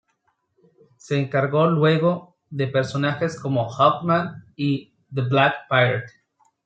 Se encargó luego de personajes como "Hawkman" y "The Black Pirate".